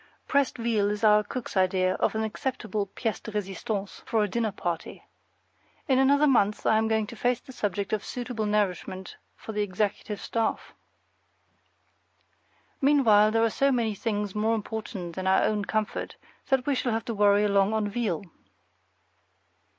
Pressed veal is our cook's idea of an acceptable PIECE DE RESISTANCE for a dinner party. In another month I am going to face the subject of suitable nourishment for the executive staff. Meanwhile there are so many things more important than our own comfort that we shall have to worry along on veal.